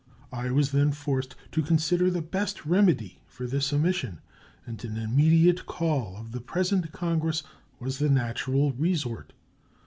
I was then forced to consider the best remedy for this omission, and an immediate call of the present Congress was the natural resort.